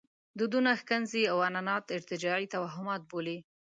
دودونه ښکنځي او عنعنات ارتجاعي توهمات بولي.